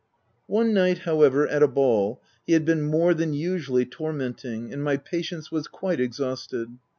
One night, however, at a ball, he had been more than usually tormenting, and my patience was quite exhausted.